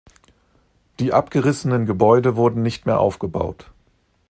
Die abgerissenen Gebäude wurden nicht mehr aufgebaut.